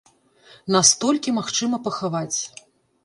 Нас толькі магчыма пахаваць.